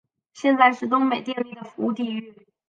现在是东北电力的服务地域。